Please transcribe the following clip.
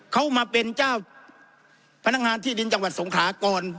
เขามาเป็นเจ้าพนักงานที่ดินจังหวัดสงขาก่อน